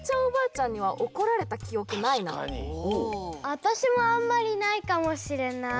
あたしもあんまりないかもしれない。